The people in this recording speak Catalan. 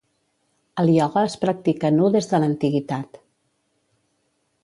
El ioga es practica nu des de l'antiguitat.